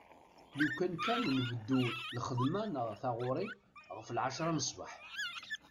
Lukan kan nbeddu lxedma neɣ taɣuri ɣef lɛecra n sbeḥ.